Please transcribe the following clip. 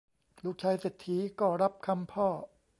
ลูกชายเศรษฐีก็รับคำพ่อ